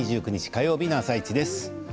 火曜日の「あさイチ」です。